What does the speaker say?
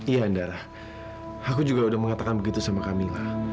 iya ndara aku juga udah mengatakan begitu sama kamila